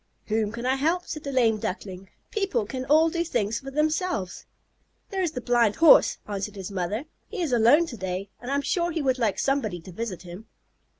'" "Whom can I help?" said the lame Duckling. "People can all do things for themselves." "There is the Blind Horse," answered his mother. "He is alone to day, and I'm sure he would like somebody to visit him."